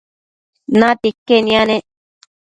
¿ada nidaccosh? Mado